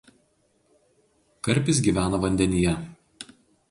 Karpis gyvena vandenyje.